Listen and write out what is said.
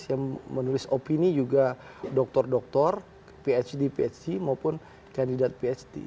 tapi ini juga dokter dokter phd phd maupun kandidat phd